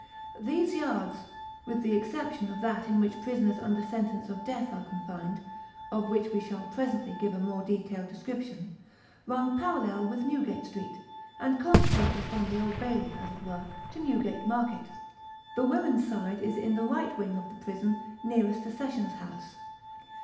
These yards, with the exception of that in which prisoners under sentence of death are confined (of which we shall presently give a more detailed description), run parallel with Newgate Street, and consequently from the Old Bailey, as it were, to Newgate Market. The women's side is in the right wing of the prison nearest the Sessions House.